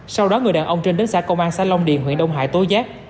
sau đó người đàn ông trên đến xã công an xã long điền huyện đông hải tối giác